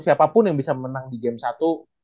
siapapun yang bisa menang di game satu